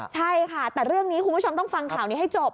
ใช่ค่ะแต่เรื่องนี้คุณผู้ชมต้องฟังข่าวนี้ให้จบ